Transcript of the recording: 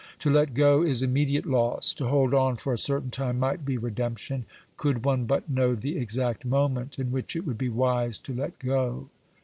To let go is immediate loss, to hold on for a certain time might be redemption, could one but know the exact moment in which it would be wise to let go.